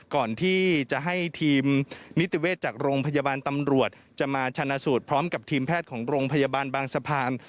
ก่อนที่จะให้ทีมนิติเวชจากโรงพยาบาลตำรวจจะมาชนะสูตรพร้อมกับทีมแพทย์ของโรงพยาบาลบางสะพาน